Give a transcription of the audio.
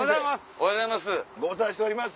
おはようございます。